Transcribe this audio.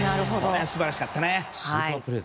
素晴らしかったね。